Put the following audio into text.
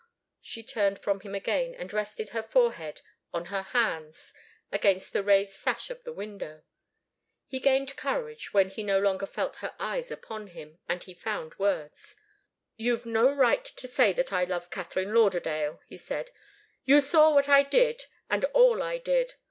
She turned from him again and rested her forehead on her hands against the raised sash of the window. He gained courage, when he no longer felt her eyes upon him, and he found words. "You've no right to say that I love Katharine Lauderdale," he said. "You saw what I did, and all I did.